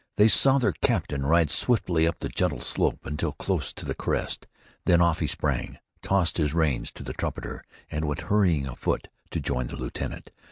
They saw their captain ride swiftly up the gentle slope until close to the crest, then off he sprang, tossed his reins to the trumpeter and went hurrying afoot to join the lieutenant.